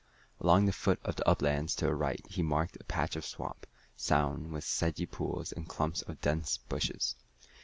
Along the foot of the uplands to the right he marked a patch of swamp, sown with sedgy pools and clumps of dense bushes.